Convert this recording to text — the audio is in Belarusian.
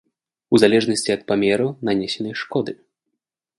У залежнасці ад памеру нанесенай шкоды.